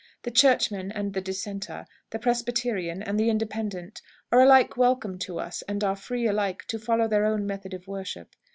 The Churchman and the Dissenter, the Presbyterian and the Independent, are alike welcome to us, and are free alike to follow their own method of worship.